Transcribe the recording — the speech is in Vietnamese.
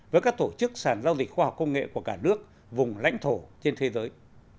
với các tổ chức sản giao dịch khoa học công nghệ của cả nước vùng lãnh thổ trên thế giới